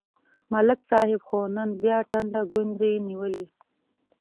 ملک صاحب خو نن بیا ټنډه گونځې نیولې